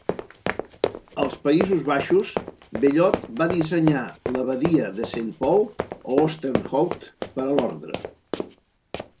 Als Països Baixos, Bellot va dissenyar l'abadia de Saint Paul, Oosterhout, per a l'ordre.